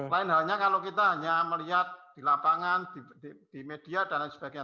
lain halnya kalau kita hanya melihat di lapangan di media dan lain sebagainya